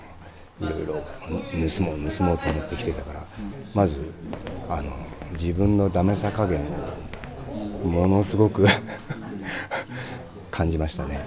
いろいろ盗もう盗もうと思ってきてたからまず自分のダメさ加減をものすごく感じましたね。